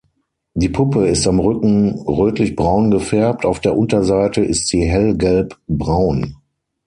Die Puppe ist am Rücken rötlichbraun gefärbt, auf der Unterseite ist sie hell gelbbraun.